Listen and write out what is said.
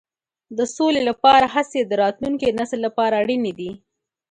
د سولې لپاره هڅې د راتلونکي نسل لپاره اړینې دي.